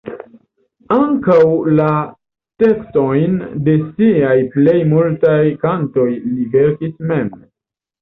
Ankaŭ la tekstojn de siaj plej multaj kantoj li verkis mem.